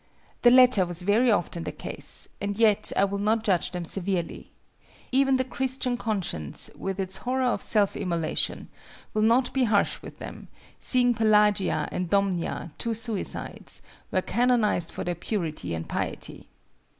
The latter was very often the case: and yet I will not judge them severely. Even the Christian conscience with its horror of self immolation, will not be harsh with them, seeing Pelagia and Domnina, two suicides, were canonized for their purity and piety.